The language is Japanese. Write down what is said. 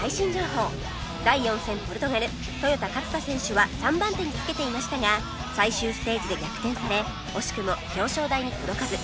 トヨタ勝田選手は３番手につけていましたが最終ステージで逆転され惜しくも表彰台に届かず